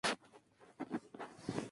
Son tiempos de la resistencia peronista.